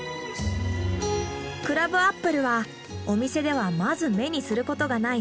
クラブアップルはお店ではまず目にすることがない